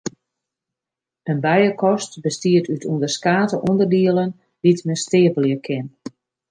In bijekast bestiet út ûnderskate ûnderdielen dy't men steapelje kin.